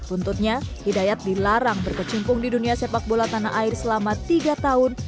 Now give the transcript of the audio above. untuknya hidayat dilarang berkecimpung di dunia sepak bola tanah air selama tiga tahun